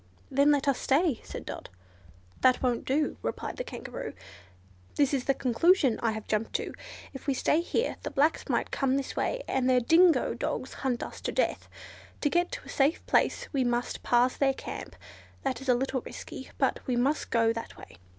"Then let us stay," said Dot. "That won't do," replied the Kangaroo, "This is the conclusion I have jumped to. If we stay here, the blacks might come this way and their dingo dogs hunt us to death. To get to a safe place we must pass their camp. That is a little risky, but we must go that way.